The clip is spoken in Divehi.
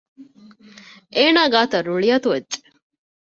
އޭނާ ގާތަށް ރުޅިއަތުވެއްޖެ